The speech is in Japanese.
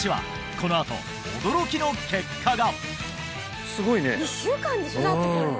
このあと驚きの結果が！